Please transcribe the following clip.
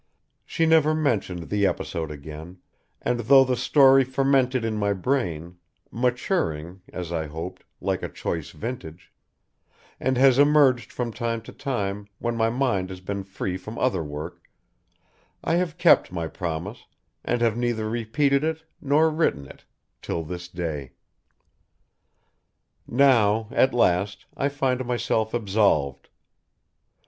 She never mentioned the episode again and though the story fermented in my brain, maturing, as I hoped, like a choice vintage, and has emerged from time to time when my mind has been free from other work, I have kept my promise and have neither repeated it nor written it till this day. Now, at last, I find myself absolved.